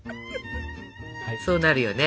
そうなるよね。